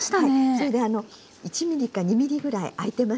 それであの１ｍｍか２ｍｍぐらい開いてますよね。